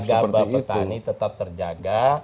harga harga harga bapak petani tetap terjaga